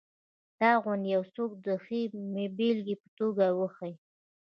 تا غوندې یو څوک د ښې بېلګې په توګه وښیي.